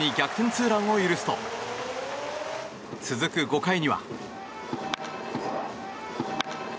ツーランを許すと続く５回には。